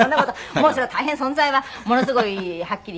もうそれは大変存在はものすごいはっきり」